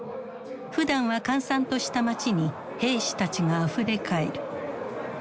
ふだんは閑散とした街に兵士たちがあふれかえる。